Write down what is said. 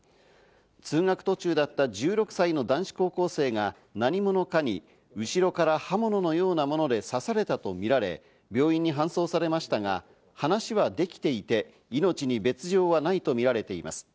通学途中だった１６歳の男子高校生が何者かに後ろから刃物のようなもので刺されたとみられ、病院に搬送されましたが、話はできていて、命に別条はないとみられています。